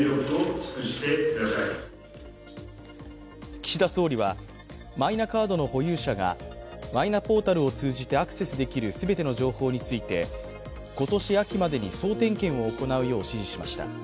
岸田総理は、マイナカードの保有者が、マイナポータルを通じてアクセスできる全ての情報について今年秋までに総点検を行うよう指示しました。